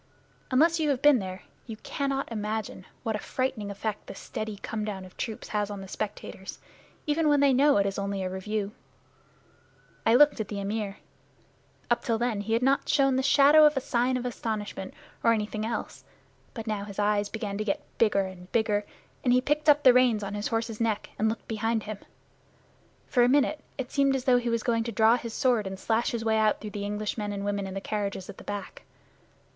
Unless you have been there you cannot imagine what a frightening effect this steady come down of troops has on the spectators, even when they know it is only a review. I looked at the Amir. Up till then he had not shown the shadow of a sign of astonishment or anything else. But now his eyes began to get bigger and bigger, and he picked up the reins on his horse's neck and looked behind him. For a minute it seemed as though he were going to draw his sword and slash his way out through the English men and women in the carriages at the back.